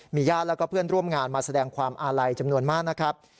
ญาติแล้วก็เพื่อนร่วมงานมาแสดงความอาลัยจำนวนมากนะครับ